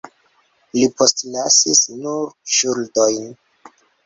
Li postlasis nur ŝuldojn.